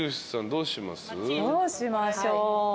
どうしましょう。